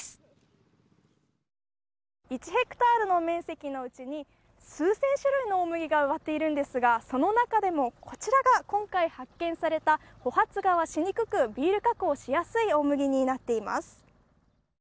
１ヘクタールの面積のうちに数千種類の大麦が植えてあるんですがその中でも、こちらが今回、発見された穂発芽しにくくビール加工しやすい大麦になっています。